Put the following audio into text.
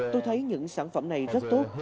tôi thấy những sản phẩm này rất tốt